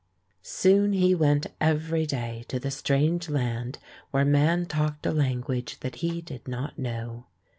Soon he went every day to the strange land where man talked a language that he did not know.